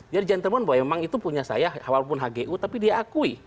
jadi gentleman bahwa memang itu punya saya walaupun hgu tapi dia akui